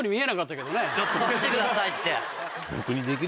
ちょっとやめてくださいって。